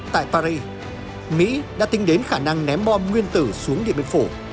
tại paris mỹ đã tính đến khả năng ném bom nguyên tử xuống địa biệt phủ